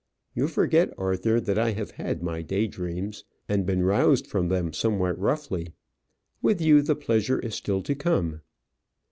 You forget, Arthur, that I have had my day dreams, and been roused from them somewhat roughly. With you, the pleasure is still to come."